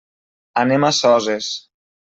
Anem a Soses.